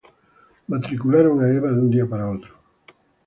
Matricularon a Eva de un día para otro.